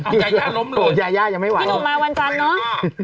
พี่หนุ่มมาวันจันทร์เนาะ